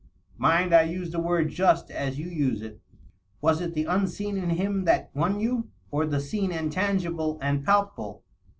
" Mind, I use the word just as you use it. Was it the unseen in him that won you, or the seen and tangible and palpable